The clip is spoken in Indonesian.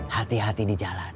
hati hati di jalan